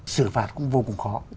sử phạt cũng vô cùng khó